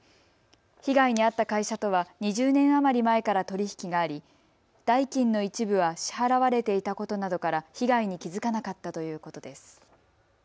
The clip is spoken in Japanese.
被害に遭った会社とは２０年余り前から取り引きがあり代金の一部は支払われていたことなどから被害に気付かなかったということです。